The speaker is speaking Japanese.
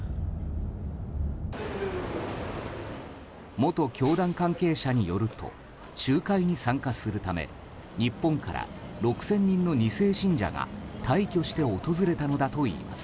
元教団関係者によると集会に参加するため日本から６０００人の２世信者が大挙して訪れたのだといいます。